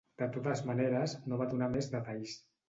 De totes maneres, no va donar més detalls.